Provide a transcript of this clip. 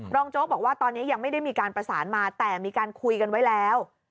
โจ๊กบอกว่าตอนนี้ยังไม่ได้มีการประสานมาแต่มีการคุยกันไว้แล้ว